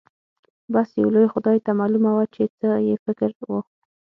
بس يو لوی خدای ته معلومه وه چې څه يې فکر و.